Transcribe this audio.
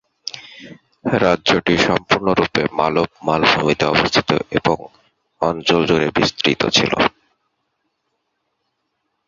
রাজ্যটি সম্পূর্ণরূপে মালব মালভূমিতে অবস্থিত এবং অঞ্চল জুড়ে বিস্তৃত ছিল।